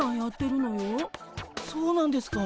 そうなんですか。